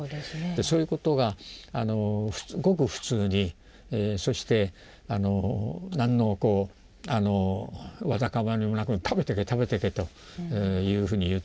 そういうことがごく普通にそして何のわだかまりもなく「食べてけ食べてけ」というふうに言ってくれる。